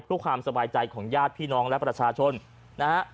ผู้ความสบายใจของยาสตร์พี่น้องและประชาชนนะฮะ